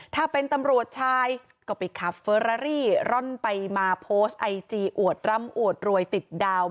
ถ้าเป็นตำรวจชายก็ไปขับเฟอรารี่ร่อนไปมาโพสต์ไอจีอวดร่ำอวดรวยติดดาว